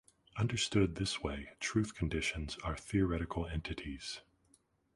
Understood this way, truth conditions are theoretical entities.